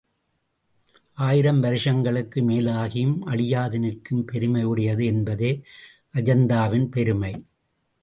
ஆயிரம் வருஷங்களுக்கு மேலாகியும் அழியாது நிற்கும் பெருமையுடையது என்பதே அஜந்தாவின் பெருமை.